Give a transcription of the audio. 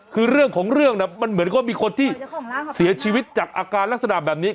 คือเรื่องของเรื่องมันเหมือนกับว่ามีคนที่เสียชีวิตจากอาการลักษณะแบบนี้